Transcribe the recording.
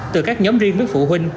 từ các nhóm riêng với phụ huynh